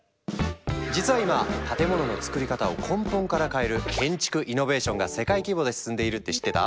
実は今建物のつくり方を根本から変える建築イノベーションが世界規模で進んでいるって知ってた？